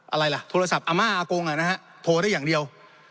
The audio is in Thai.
อะไรล่ะโทรศัพท์อาม่าอากงโทรได้อย่างเดียว